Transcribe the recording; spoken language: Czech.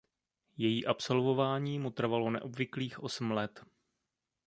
Její absolvování mu trvalo neobvyklých osm let.